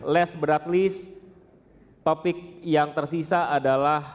last but not least topik yang tersisa adalah